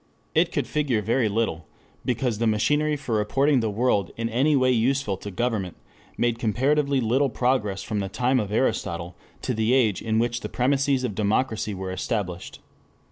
It could figure very little, because the machinery for reporting the world in any way useful to government made comparatively little progress from the time of Aristotle to the age in which the premises of democracy were established.